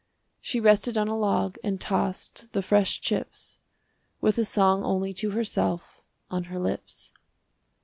She rested on a log and tossed The fresh chips, With a song only to herself On her lips.